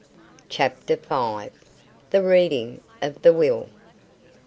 CHAPTER FIVE. THE READING OF THE WILL.